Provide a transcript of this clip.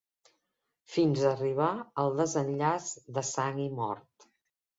...fins a arribar al desenllaç de sang i mort.